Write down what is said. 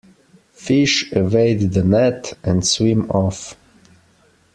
Fish evade the net and swim off.